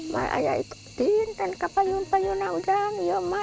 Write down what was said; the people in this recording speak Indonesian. biar dia tetap di depan saya